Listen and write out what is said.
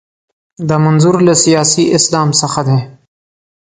دا منظور له سیاسي اسلام څخه دی.